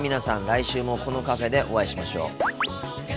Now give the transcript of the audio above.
来週もこのカフェでお会いしましょう。